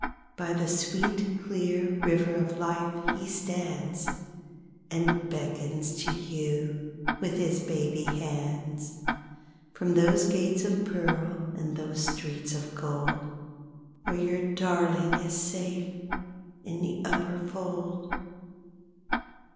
By the sweet, clear river of life he stands, And beckons to you with his baby hands. From those gates of pearl and those streets of gold Where your darling is safe in the upper fold.